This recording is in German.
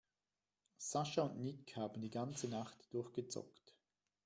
Sascha und Nick haben die ganze Nacht durchgezockt.